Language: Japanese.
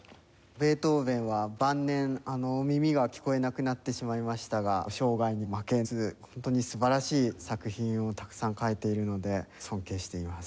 ベートーヴェンは晩年耳が聞こえなくなってしまいましたが障害に負けず本当に素晴らしい作品をたくさん書いているので尊敬しています。